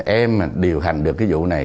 em điều hành được cái vụ này